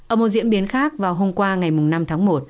ở một diễn biến khác vào hôm qua ngày năm tháng một